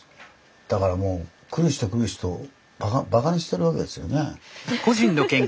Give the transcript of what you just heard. だからもう来る人来る人バカにしてるわけですよね。